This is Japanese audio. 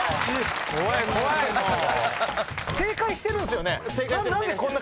正解してるんすよね？